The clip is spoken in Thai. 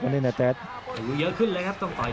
เยอะขึ้นเลยครับ